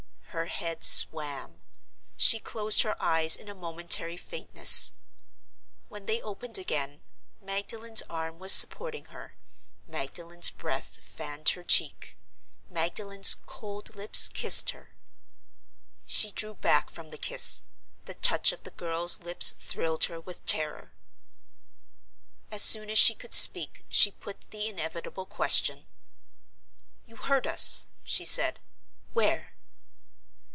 Her head swam; she closed her eyes in a momentary faintness. When they opened again, Magdalen's arm was supporting her, Magdalen's breath fanned her cheek, Magdalen's cold lips kissed her. She drew back from the kiss; the touch of the girl's lips thrilled her with terror. As soon as she could speak she put the inevitable question. "You heard us," she said. "Where?"